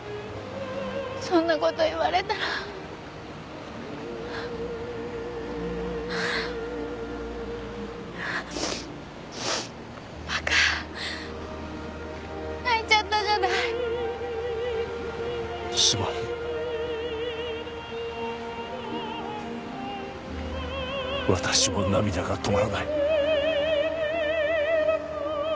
そんなこと言われたらバカ泣いちゃったじゃないすまぬ私も涙が止まらない